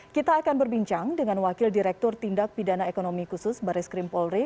kita akan berbincang dengan wakil direktur tindak pidana ekonomi khusus baris krim polri